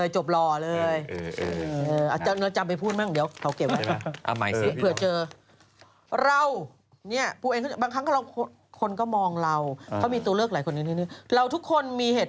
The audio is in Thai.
เจ๋วนะพี่ขอไปใส่เนียละคร้องแต่คนหน้าใคร